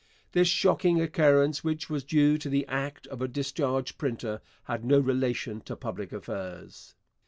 This shocking occurrence, which was due to the act of a discharged printer, had no relation to public affairs.